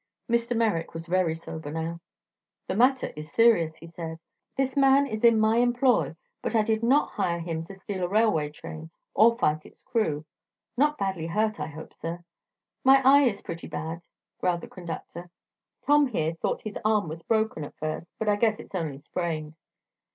Mr. Merrick was very sober now. "The matter is serious," he said. "This man is in my employ, but I did not hire him to steal a railway train or fight its crew. Not badly hurt, I hope, sir?" "My eye's pretty bad," growled the conductor. "Tom, here, thought his arm was broken, at first; but I guess it's only sprained."